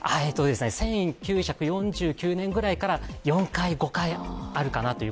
１９４９年ぐらいから４回、５回あるかなっていう。